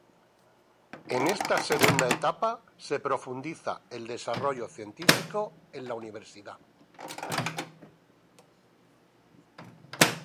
En esta segunda etapa se profundiza el desarrollo científico en la Universidad.